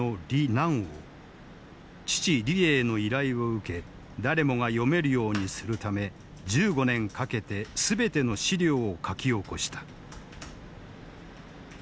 父李鋭の依頼を受け誰もが読めるようにするため１５年かけて全ての史料を書き起こした。